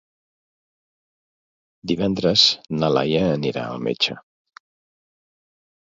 Divendres na Laia anirà al metge.